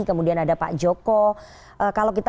kemudian ada pak joko kalau kita